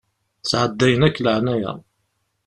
Sɛeddayen akk laɛnaya.